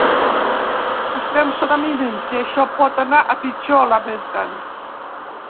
Estem sota mínims i això pot anar a pitjor lamenten.